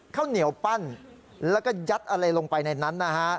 ข้าวเหนียวปั้นแล้วก็ยัดอะไรลงไปในนั้นนะฮะ